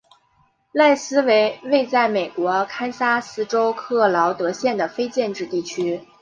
赖斯为位在美国堪萨斯州克劳德县的非建制地区。